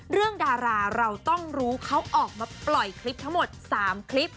ดาราเราต้องรู้เขาออกมาปล่อยคลิปทั้งหมด๓คลิป